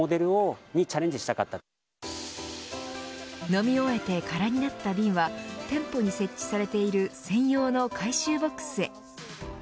飲み終えて空になった瓶は店舗に設置されている専用の回収ボックスへ。